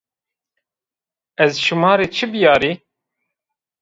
Ez şima rê çi bîyarî?